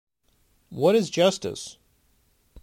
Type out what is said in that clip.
What is justice?